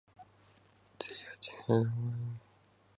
They are generally lower in molecular weight.